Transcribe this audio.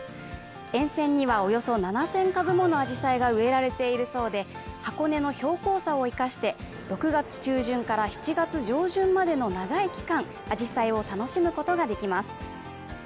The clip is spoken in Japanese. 沿線にはおよそ７０００株ものあじさいが植えられているそうで箱根の標高差を生かして、６月中旬から７月上旬までの長い期間、あじさいを楽しむことができます。